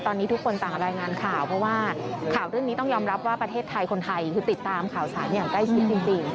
ตอนนี้ทุกคนต่างรายงานข่าวเพราะว่าข่าวเรื่องนี้ต้องยอมรับว่าประเทศไทยคนไทยคือติดตามข่าวสารอย่างใกล้ชิดจริง